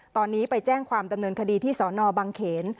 ตอนนี้ไปแจ้งความดำเนินคดีที่สนบังเขน